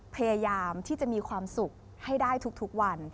พยายามที่จะมีความสุขให้ได้ทุกวัน